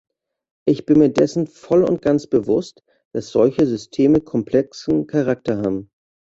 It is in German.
Ich bin mir dessen voll und ganz bewusst, dass solche Systeme komplexen Charakter haben.